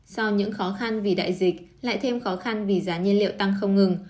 so với những khó khăn vì đại dịch lại thêm khó khăn vì giá nhiên liệu tăng không ngừng